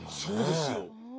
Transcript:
そうですよ！